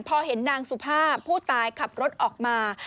พอเห็นนางสุภาพผู้ตายขับรถออกมา